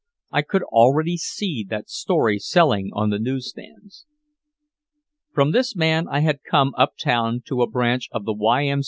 I could already see that story selling on the newsstands. From this man I had come uptown to a branch of the Y. M.